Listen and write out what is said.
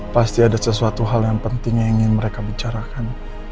pasti ada sesuatu hal yang penting yang ingin mereka bicarakan